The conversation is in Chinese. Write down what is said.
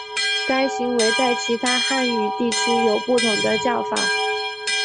该行为在其他汉语地区有不同的叫法。